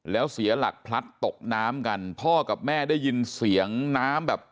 แล้วเสียหลักพลัดตกน้ำกันพ่อกับแม่ได้ยินเสียงน้ำแบบ